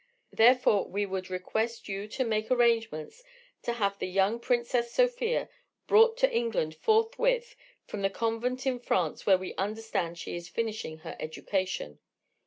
Therefore we would request you to make arrangements to have the young Princess Sofia brought to England forthwith from the convent in France where we understand she is finishing her education.